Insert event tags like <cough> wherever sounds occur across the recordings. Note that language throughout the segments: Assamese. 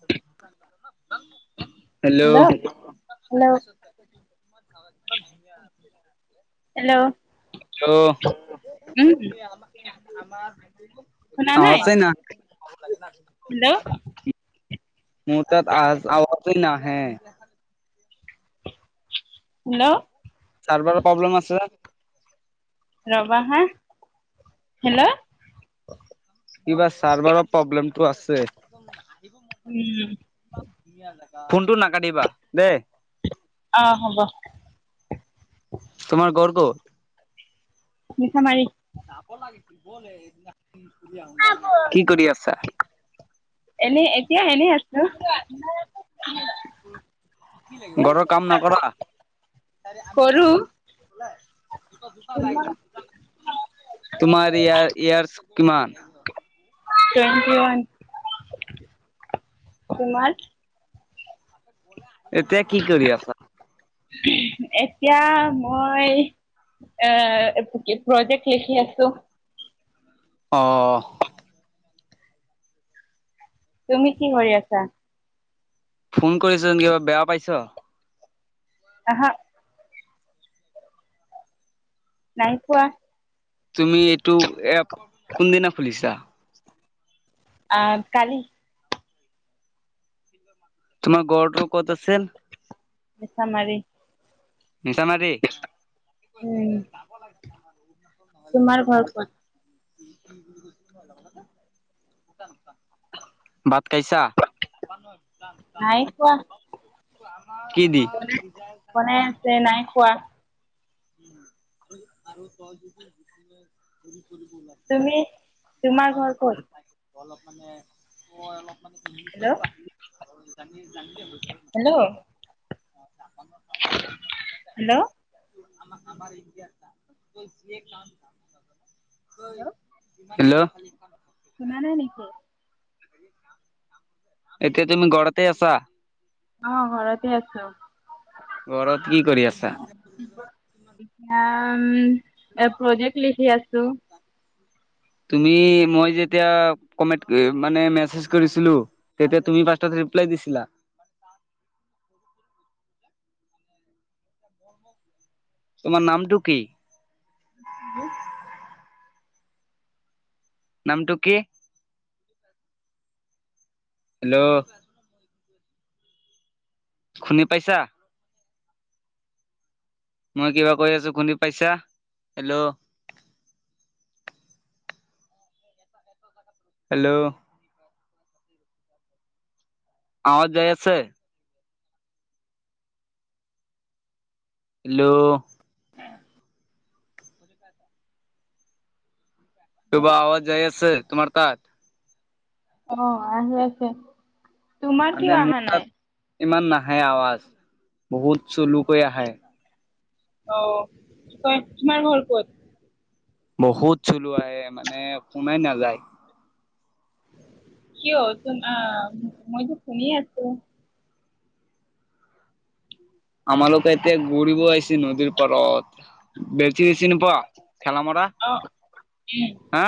হে'ল্ল হেল্ল' হেল্ল' উম, শুনা আমাৰ নাই আছে না? হেল্ল' মোৰ তাত আজ আৱাজে নাহে হেল্ল' চাৰ্ভাৰৰ প্ৰব্লেম আছে। ৰবা হাঁ হেল্ল' কিবা চাৰ্ভাৰৰ প্ৰব্লেমটো আছে। উম, ফোনটো নাকাটিবা দে। অ', হ'ব তোমাৰ ঘৰ ক'ত? মিচামাৰী <inaudible> কি কৰি আছা? এনে এতিয়া এনেই আছোঁ। ঘৰৰ কাম নকৰা? <inaudible> কৰো তোমাৰ ইয়াৰ ইয়াৰছ কিমান? টুৱেন্টি ৱান, তোমাৰ? <unintelligible> এতিয়া কি কৰি আছা? এতিয়া মই এ প্ৰজেক্ট লিখি আছোঁ। অ', তুমি কি কৰি আছা? ফোন কৰিছো কিবা বেয়া পাইছ? আঁহা নাই পোৱা। তুমি এইটো এপ কোনদিনা খুলিছা? আ, কালি <inaudible> তোমাৰ ঘৰটো ক'ত আছিল? মিছামাৰী মিছামাৰী? <inaudible> উম তোমাৰ ঘৰ ক'ত বাট কাইছা? নাই খোৱা, কি দি? বনাই বনাই আছে নাই খোৱা। <inaudible> তুমি, তোমাৰ ঘৰ ক'ত? অলপ মানে মই অলপ মানে হেল্ল' <unintelligible> আহিল জানি জানিলে <unintelligible> হেল্ল'! হেল্ল'! <inaudible> Hello hello! শুনা নাই নেকি? <inaudible> এতিয়া তুমি ঘৰতে আছা? অ', ঘৰতে আছোঁ। ঘৰত কি কৰি আছা? এতিয়া উম, এ, প্ৰজেক্ট লিখি আছোঁ। তুমি মই যেতিয়া কমেট এ, মানে মেছেজ কৰিছিলোঁ তেতিয়া তুমি ফাষ্টত ৰিপ্লাই দিছিলা! <inaudible> তোমাৰ নামটো কি? <inaudible> নামটো কি? হেল্ল'! শুনি পাইছা? মই কিবা কৈ আছোঁ শুনি পাইছা? হেল্ল'! হেল্ল'! আৱাজ যাই আছে? হেল্ল'! কিবা আৱাজ যাই আছে তোমাৰ তাত? অ', আহি আছে। তোমাৰ কিয় মানে মোৰ অহা নাই? তাত ইমান নাহে আৱাজ, বহুত চুলুকৈ আহে। অ', <unintelligible> তোমাৰ ঘৰ ক'ত? বহুত চোলো আহে মানে, শুনাই নাযায়। কিয় চোন আ, মইতো শুনি আছোঁ। আমালোকে এতিয়া ঘূৰিব আহিছে নদীৰ পাৰত। <unintelligible> চিনি পোৱা ঠেলামাৰা অ উম হা'?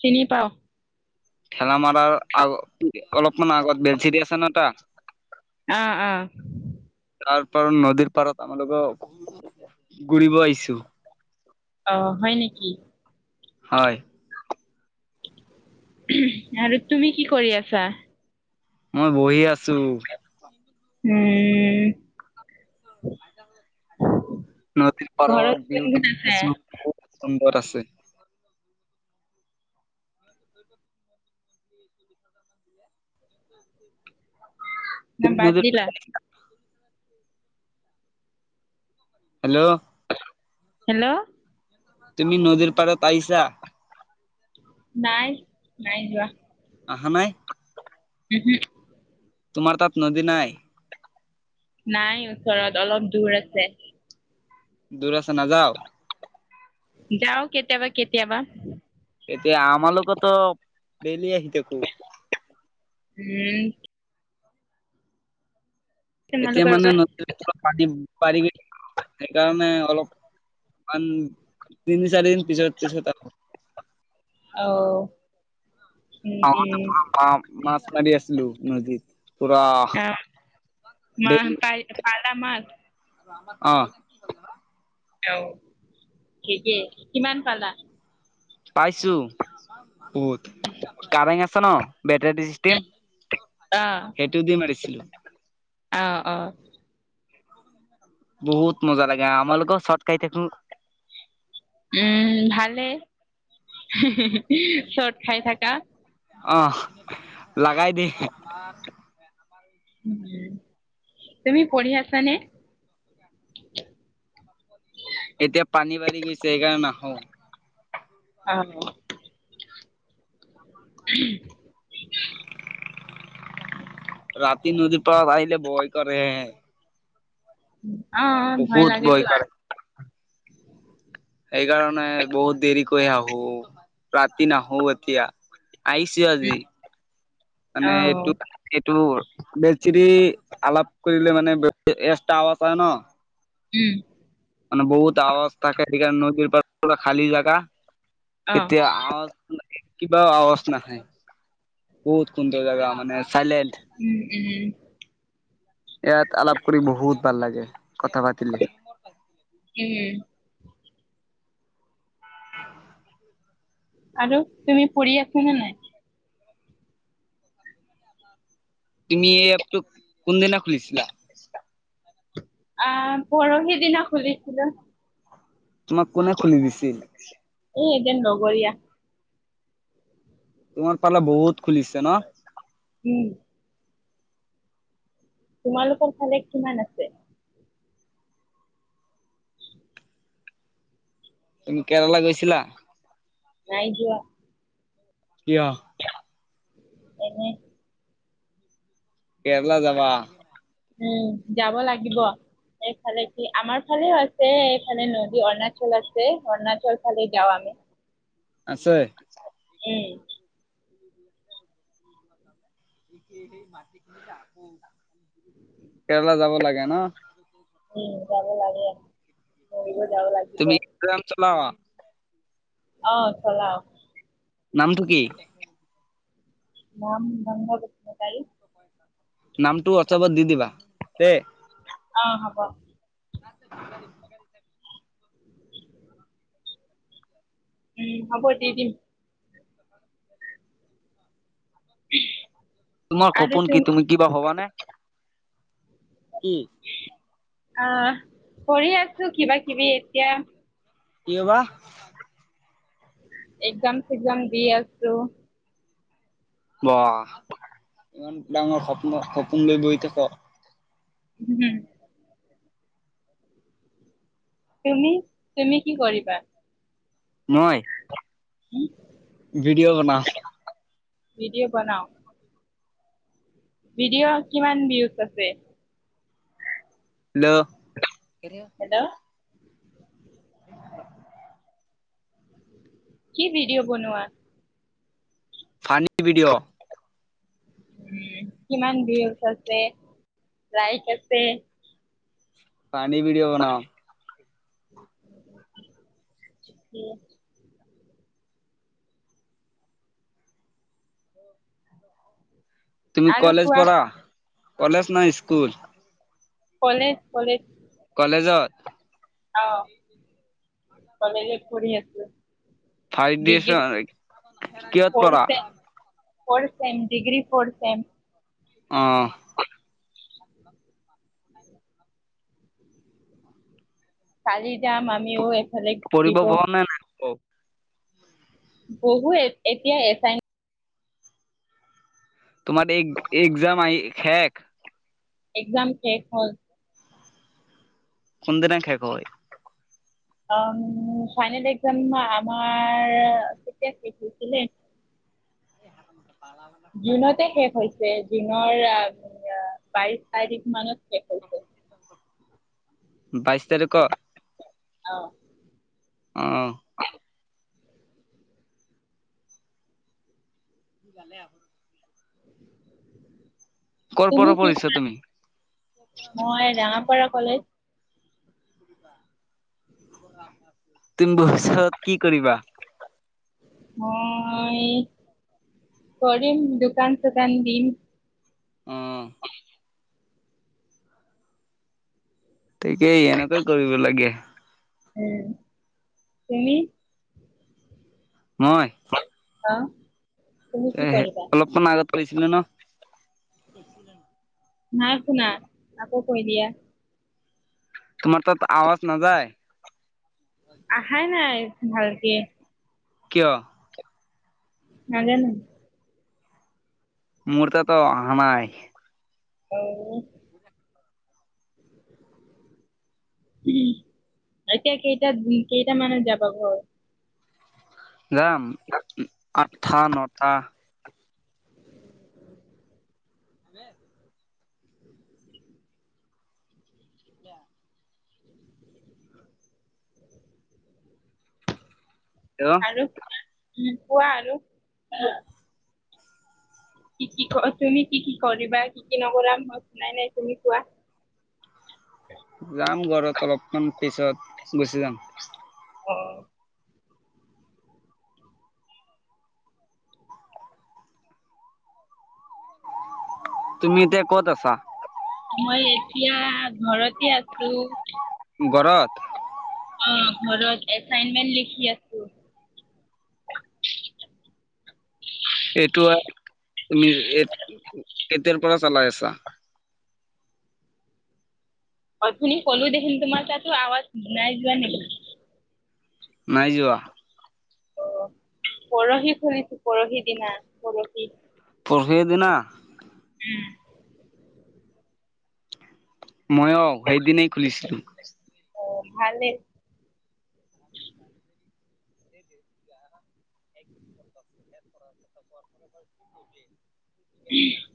চিনি পাওঁ। ঠেলামাৰাৰ আগত অলপমান আগত বেলচিৰি আছে না এটা? অ', অ'। তাৰপাৰত নদীৰ পাৰত আমাৰালোক ঘুৰিব আহিছোঁ। অ', হয় নেকি? হয়। আৰু তুমি কি কৰি আছা? মই বহি আছোঁ। উম। নদীৰ ঘৰত পাৰত কোন ভিউটো কোন আছে <unintelligible> খুব সুন্দৰ আছে। <inaudible> <inaudible> না বাদ নদীৰ দিলা? পাৰত আহিছা হেল্ল'! হেল্ল'! তুমি নদীৰ পাৰত পাইছা? নাই, নাই যোৱা। আহা নাই। উ, হুম। তোমাৰ তাত নদী নাই? নাই ওচৰত অলপ দূৰ আছে। দূৰ আছে নাযাও? যাওঁ কেতিয়াবা কেতিয়াবা। এতিয়া আমাৰ লগতো দেইলি আহি থাকো। উম, এতিয়া তোমালোকৰ মানে নদ পানী পাৰিবি সেইকাৰণে অলপ ইমান তিনি চাৰিদিন পিছত পিছত আকৌ অ' উম, <unintelligible> উম। মা মাছ মাৰি আছিলোঁ নদীত পুৰা অ', মা ডেইলি পাল পালা মাছ? অ', অ', ঠিকে কিমান পালা? পাইছোঁ বহুত কাৰেং আছে ন' বেটৰী চিষ্টেম। অ', সেইটো দি মাৰিছিলো অ', অ', বহুত মজা লাগে আমালোকো চৰ্ত খাই থাকো উম, ভালে চ'ৰ্ত খাই থাকা। অ', লাগাই দিয়ে তুমি পঢ়ি আছানে? <inaudible> এতিয়া পানী বাঢ়ি গৈছে সেইকাৰণে নাহো অ', <inaudible> ৰাতি নদীৰ পৰাত আহিলে বয় কৰে। অ', অ', ভয় বহুত লাগেতো আৰু। কৰে সেইকাৰণে বহুত দেৰি কৰি আহোঁ ৰাতি নাহো এতিয়া। আহিছে আজি মানে এইটো অ', এইটো বেলচিৰি আলাপ কৰিলে মানে <unintelligible> এচ তাৱ আছে ন '। উম, মানে বহুত আৱাজ থাকে সেইকাৰণে নদীৰ পাৰত পোৰা খালী জাগা, অ', এতিয়া আৱাজ কিবা আৱাজ নাহে বহুত কোনটো জেগা মানে চাইলেণ্ট। উম, উম, ইয়াত আলাপ কৰি বহুত ভাল লাগে কথা পাতি উম, <inaudible> আৰু তুমি পঢ়ি আছো নে নাই? তুমি এই এপটো কোনদিনা খুলিছিলা? আ, পৰহি দিনা খুলিছিলোঁ। তোমাক কোনে খুলি দিছিল? এ এজন লগৰীয়া। তোমাৰ পাৰা বহুত খুলিছে ন? উম, তোমালোকৰ ফালে কিমান আছে? তুমি কেৰালা গৈছিলা? নাই যোৱা। কিয়? এনেই কেৰেলা যাবা। উম, যাব লাগিব। এইফালে কি আমাৰ ফালে আছে, এইফালে নদী অৰুণাচল আছে, অৰুণাচল ফালে যাওঁ আমি। <inaudible> আছে? উম, <inaudible> কেৰেলা যাব লাগে ন'। উম, যাব লাগে <unintelligible> যাব লাগে। তুমি <unintelligible> চলোৱা অ', চলাও। নামটো কি? নাম নংগ বসুমতাৰী নামটো ৱাটছাপত দি দিবা দেই। অ', হ'ব। <inaudible> উম, হ'ব দি দিম। <inaudible> তোমাৰ সপোন কি তুমি কিবা হবানে? কি? আ, কৰি আছোঁ কিবা কিবি এতিয়া কিয়বা? এক্সাম চেক্সাম দি আছোঁ। বাহ, ইমান ডাঙৰ সপ্ন সপোন লৈ বহি থাক। উম, তুমি তুমি কি কৰিবা? মই উম, ভিডিঅ' বনাও। ভিডিঅ' বনাও। ভিডিঅ' কিমান ভিউজ আছে? হেল্ল' হেল্ল' কি ভিডিঅ' বনোৱা? Funny video. উম, কিমান ভিউজ আছে লাইক আছে? ফানী ভিডিঅ' বনাওঁ। উম, তুমি আৰু কলেজ কোৱা পঢ়া, কলেজ না স্কুল? কলেজ কলেজ কলেজৰ অ', কলেজত পঢ়ি আছোঁ। ফাইবদিচন কিহত ফৰ পঢ়া? Sem four sem degree four sem অ', কালি যাম আমিও এফালে পঢ়িব ঘূৰিব বহা নে নাই বহুত এতিয়া এচাই তোমাৰ এক এক্সাম আহি শেক এক্সাম শেষ হ'ল। কোনদিনা শেষ হয়? অ', ফাইনেল একজাম আমাৰ তেতিয়া শেষ হৈছিলে। <inaudible> জুনতে শেষ হৈছে, জুনৰ আ বাইশ তাৰিখ মানত শেষ হৈছে। <inaudible> বাইছ তাৰিখত? অ'। অ'। <inaudible> কৰ তুমি পৰা কি পৰিছা <unintelligible> তুমি? মই ৰঙাপাৰা কলেজ। তুমি <unintelligible> কি কৰিবা? মই কৰিম দোকান চোকান দিম। অ'। তাকেই এনেকুৱাই কৰিব লাগে। উম। তুমি? মই? অ'। তুমি কি এ, কৰিবা অলপমান আগত কৈছিলোঁ ন! নাই শুনা, আাকৌ কৈ দিয়া। তোমাৰ তাত আৱাজ নাযায়? আহাই নাই ভালকে। কিয়? নাজোনো। মোৰ তাতো অহা নাই। অও। এতিয়া কেইটা-কেইটামানত যাবা ঘৰ? যাম, আঠটা নটা। <inaudible> কিয়? আৰু কোৱা আৰু? কি, কি কৰ তুমি কি, কি কৰিবা কি, কি নকৰা মই শুনাই নাই তুমি কোৱা। যাম ঘৰত অলপমান পিছত, গুচি যাম। অ'। তুমি এতিয়া ক'ত আছা? মই এতিয়া ঘৰতে আছোঁ। ঘৰত? অ', ঘৰত এচাইনমেন্ট লিখি আছোঁ। এইটো এপ, তুমি <unintelligible> কেতিয়াৰ পৰা চলাই আছা? অ', অথনি ক'লো দেখোন তোমাৰ তাতো আৱাজ নাই যোৱা নেকি? নাই যোৱা। অ', পৰহি খুলিছোঁ, পৰহি দিনা পৰহি। পৰহিৰ দিনা? উম। ময়ো সেইদিনাই খুলিছিলোঁ। অ', ভালে। <inaudible> <unintelligible> <inaudible> <inaudible>